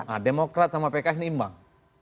nah demokrat sama pks ini imbang